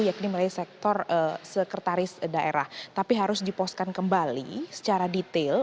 yakni melalui sektor sekretaris daerah tapi harus diposkan kembali secara detail